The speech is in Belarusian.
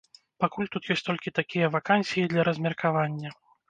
Пакуль тут ёсць толькі такія вакансіі для размеркавання.